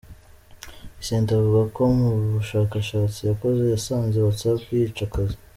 Icent avuga ko mu bushakashatsi yakoze yasanze WhatsApp yica akazi.